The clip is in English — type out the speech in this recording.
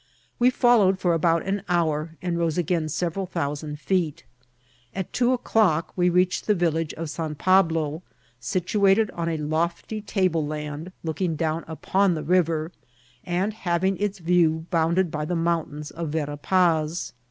We followed for about an hour, and rose again several thousand feet. At two o'clock we reached the village of San Pablo, situated on a lofty table of land, looking down iqpon the river, and having its view bounded by the mountains of Vera Paz.